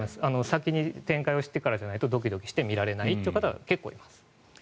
先に展開を知ってからじゃないとドキドキして見られないという方が結構います。